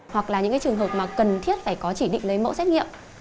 hoặc là những trường hợp cần thiết phải có chỉ định lấy mẫu xét nghiệm